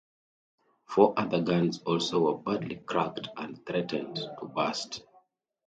Four other guns also were badly cracked and threatened to burst.